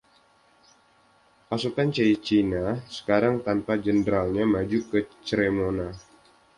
Pasukan Caecina, sekarang tanpa jenderalnya, maju ke Cremona.